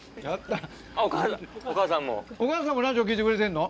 お母さんもラジオ聴いてくれてんの？